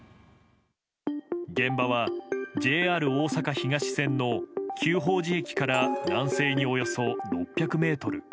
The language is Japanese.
現場はＪＲおおさか東線の久宝寺駅から南西におよそ６００ｍ。